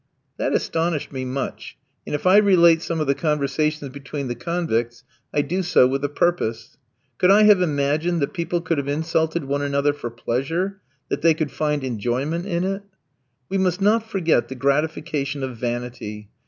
That astonished me much, and if I relate some of the conversations between the convicts, I do so with a purpose. Could I have imagined that people could have insulted one another for pleasure, that they could find enjoyment in it? We must not forget the gratification of vanity.